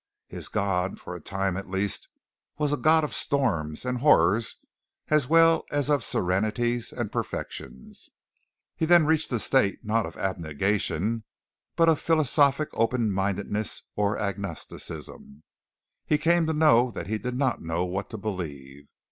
His God, for a time at least, was a God of storms and horrors as well as of serenities and perfections. He then reached a state not of abnegation, but of philosophic open mindedness or agnosticism. He came to know that he did not know what to believe.